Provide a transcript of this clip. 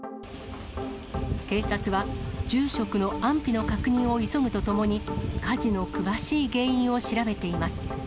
警察は、住職の安否の確認を急ぐとともに、火事の詳しい原因を調べています。